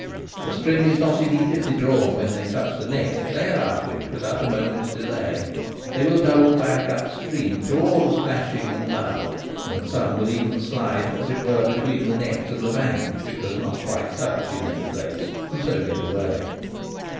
If the string is not immediately drawn when they touch the net, they are out of it without a moment's delay : they will double back up stream through all the splashing and mud, and some will even slide as it were between the net and the bank if it does not quite touch in any place, and so get away.